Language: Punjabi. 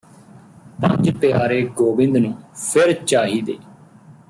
ਪੰਜ ਪਿਆਰੇ ਗੋਬਿੰਦ ਨੂੰ ਫਿਰ ਚਾਹੀਦੇ